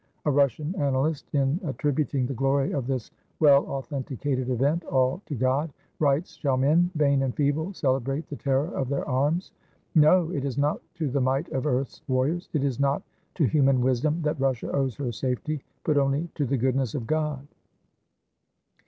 A Russian annalist, in at tributing the glory of this well authenticated event all to God, writes: "Shall men, vain and feeble, celebrate the terror of their arms? No! it is not to the might of earth's warriors, it is not to human wisdom that Russia owes her safety, but only to the goodness of God."